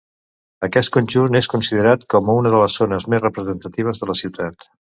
Aquest conjunt és considerat com una de les zones més representatives de la ciutat.